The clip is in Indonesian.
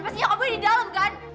pasti nyokap gue di dalam kan